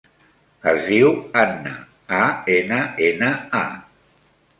Es diu Anna: a, ena, ena, a.